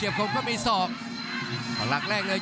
มันก็ไม่ฝาก